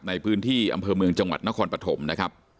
ในพื้นที่อำเภอเมืองจังหวัดนครปฐมนะครับ